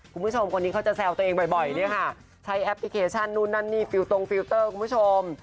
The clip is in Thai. คุณผู้ชมคนนี้เขาจะแซวตัวเองบ่อยเนี่ยค่ะใช้แอปพลิเคชันนู่นนั่นนี่ฟิลตรงฟิลเตอร์คุณผู้ชม